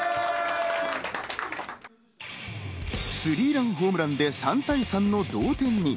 スリーランホームランで３対３の同点に。